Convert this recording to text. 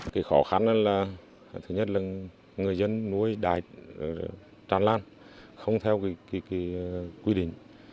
cái khó khăn là thứ nhất là người dân nuôi đại tràn lan không theo quy định